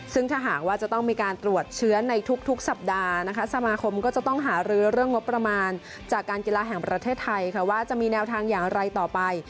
ซึ่งถ้าหากว่าจะต้องมีการตรวจเชื้อในทุกสัปดาห์นะคะสมาคมก็จะต้องหารือเรื่องงบประมาณจากการกีฬาแห่งประเทศไทยค่ะว่าจะมีแนวทางอย่างไรต่อไป